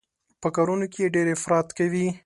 په کارونو کې يې ډېر افراط کوي.